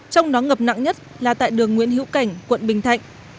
trong đó ngập nặng nhất là tại đường nguyễn hữu cảnh quận bình thạnh